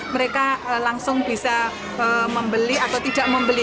mereka langsung bisa membeli atau tidak membeli